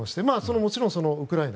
もちろんウクライナ。